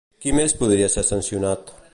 Qui més podria ser sancionat?